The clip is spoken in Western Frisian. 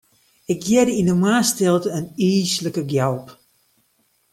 Ik hearde yn 'e moarnsstilte in yslike gjalp.